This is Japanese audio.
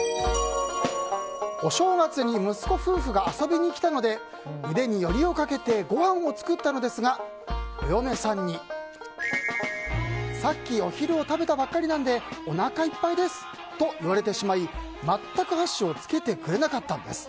お正月に息子夫婦が遊びに来たので腕によりをかけてごはんを作ったのですがお嫁さんにさっきお昼を食べたばかりなのでおなかいっぱいですと言われてしまい全く箸をつけてくれなかったんです。